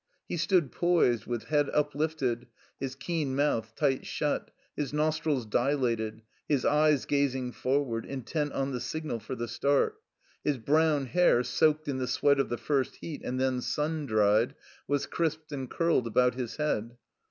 He stood poised, with head uplifted, his keen mouth tight shut, his nostrils dilated, his eyes gazing forward, intent on the signal for the start. His brown hair, soaked in the sweat of the first heat and then sun dried, was crisped and curled about his head.